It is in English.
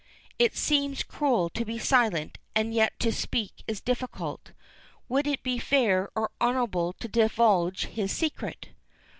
It seems cruel to be silent, and yet to speak is difficult. Would it be fair or honorable to divulge his secret?